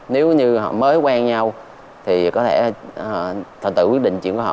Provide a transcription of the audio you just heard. nếu như họ mới quen nhau thì có thể họ tự quyết định chuyện của họ